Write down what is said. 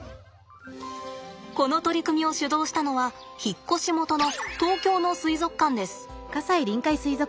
この取り組みを主導したのは引っ越し元の東京の水族館です。